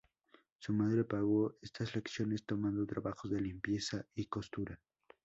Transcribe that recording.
Su madre pagó estas lecciones tomando trabajos de limpieza y costura.